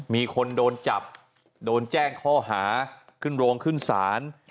มีคนโดนจับโดนแจ้งข้อหาขึ้นโรงขึ้นศาล